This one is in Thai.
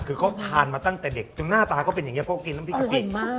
คือเขาทานมาตั้งแต่เด็กจนหน้าตาก็เป็นอย่างนี้เพราะกินน้ำพริกกะกิ่ง